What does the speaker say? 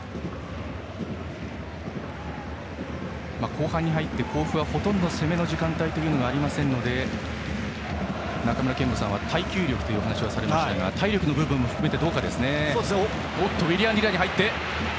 後半に入って甲府はほとんど攻めの時間帯がありませんので中村憲剛さんは耐久力というお話をされましたが体力の部分を含めてどうか。